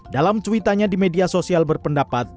dalam cuitannya di media sosial berpendapat